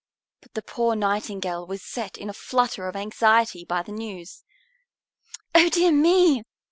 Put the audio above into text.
But the poor Nightingale was set in a flutter of anxiety by the news. "Oh, dear me!"